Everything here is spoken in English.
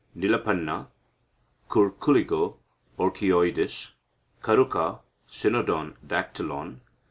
Nilappana (Curculigo orchioides). Karuka (Cynodon Dactylon).